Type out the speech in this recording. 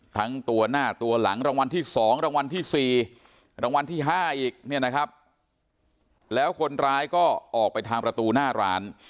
ทั้งตัวหน้าตัวหลังรางวัลที่สอง